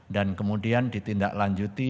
dan kemudian ditindaklanjuti